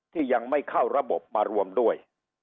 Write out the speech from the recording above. ที่ยังไม่เข้าระบบมารวมด้วย